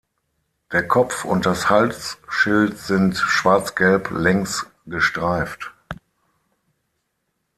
Der Kopf und das Halsschild sind schwarz gelb längs gestreift.